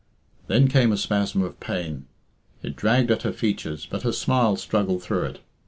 Then came a spasm of pain. It dragged at her features, but her smile struggled through it.